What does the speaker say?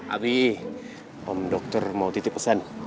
abi om dokter mau titip pesan